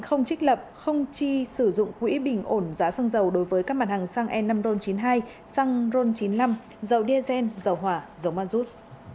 không trích lập không chi sử dụng quỹ bình ổn giá xăng dầu đối với các mặt hàng xăng e năm r chín mươi hai xăng r chín mươi năm dầu diazen dầu hòa dầu mazut